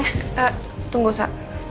ehh tunggu sa